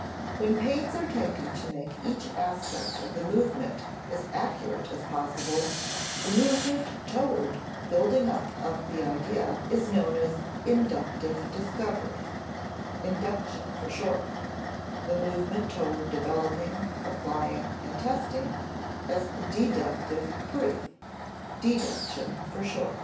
When pains are taken to make each aspect of the movement as accurate as possible, the movement toward building up the idea is known as inductive discovery (induction, for short); the movement toward developing, applying, and testing, as deductive proof (deduction, for short).